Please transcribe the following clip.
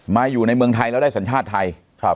อยู่ในเมืองไทยแล้วได้สัญชาติไทย